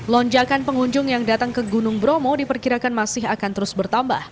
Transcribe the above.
lonjakan pengunjung yang datang ke gunung bromo diperkirakan masih akan terus bertambah